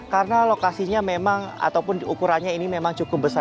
karena lokasinya memang ataupun ukurannya ini memang cukup besar